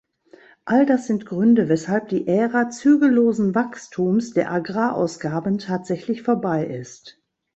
All das sind Gründe, weshalb die Ära zügellosen Wachstums der Agrarausgaben tatsächlich vorbei ist.